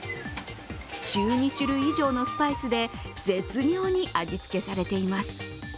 １２種類以上のスパイスで絶妙に味付けされています。